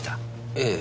ええ。